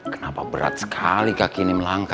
kenapa berat sekali kakinim langka ya